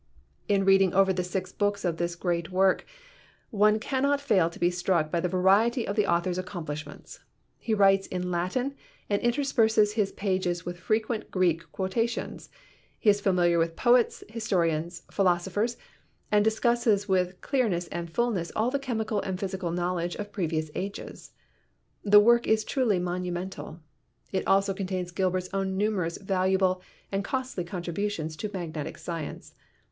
In reading over the six books of this great work, one cannot fail to be struck by the variety of the author's accomplishments. He writes in Latin and intersperses his pages with frequent Greek quotations; he is familiar with poets, historians and philosophers and discusses with clear ness and fulness all the chemical and physical knowledge of previous ages. The work is truly monumental. It also contains Gilbert's own numerous valuable and costly con tributions to magnetic science.